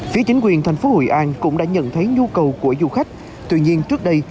phía chính quyền thành phố hội an cũng đã nhận thấy nhu cầu của du khách tuy nhiên trước đây